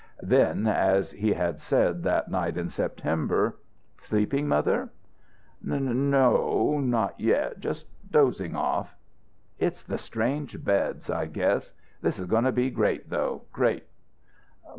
Then, as he had said that night in September: "Sleeping, mother?" "N no. Not yet. Just dozing off." "It's the strange beds, I guess. This is going to be great, though. Great!"